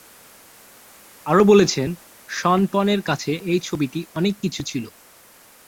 আরও বলেছেন, শন পেনের কাছে এই ছবিটি অনেক কিছু ছিল।